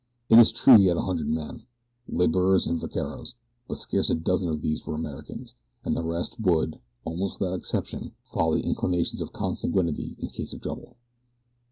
It is true he had a hundred men laborers and vaqueros, but scarce a dozen of these were Americans, and the rest would, almost without exception, follow the inclinations of consanguinity in case of trouble.